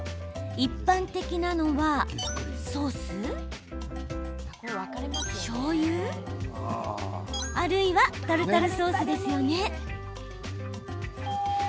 一般的なのはソース？しょうゆ？あるいはタルタルソースですよね？